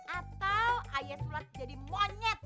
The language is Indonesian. atau ayam sulat jadi monyet